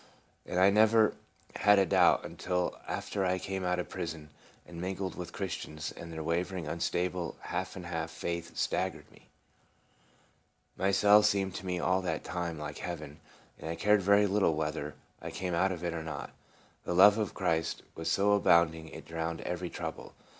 And I Ji'OXA' 7JV THE PRISON. 35 never had a doubt until after I came out of prison and mingled with Christians, and their wavering, unstable, half and half faith stag gered me. My cell seemed to me all that time like heaven, and I cared very little wheth er I ever came out of it or not. The love of Christ was so abounding it drowned every trouble.